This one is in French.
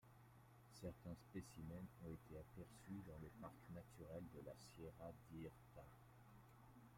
Certains spécimens ont été aperçus dans le parc naturel de la Sierra d'Irta.